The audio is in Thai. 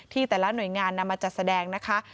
แต่ละหน่วยงานนำมาจัดแสดงนะคะ